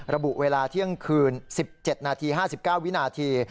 ระบุเวลาเที่ยงคืน๑๗นาที๕๙วินาที